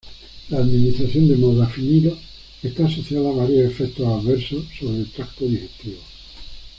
La administración de modafinilo está asociada a varios efectos adversos sobre el tracto digestivo.